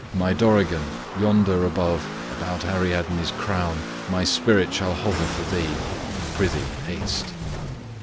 My Dorigen, Yonder, above, 'bout Ariadne's crown, My spirit shall hover for thee. Prithee, haste.